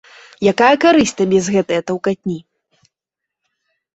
Якая карысць табе з гэтае таўкатні.